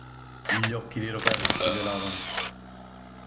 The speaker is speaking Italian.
Gli occhi di Roberto si velavano.